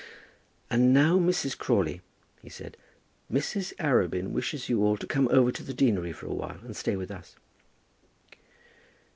"And now, Mrs. Crawley," he said, "Mrs. Arabin wishes you all to come over to the deanery for a while and stay with us."